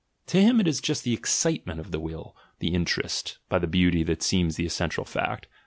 To him it is just the excitement of the will (the "interest") by the beauty that seems the essential fact.